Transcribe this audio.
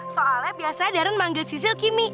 soalnya biasanya darren manggil sisil kimi